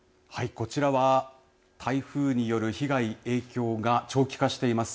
こちらは台風による被害、影響が長期化しています。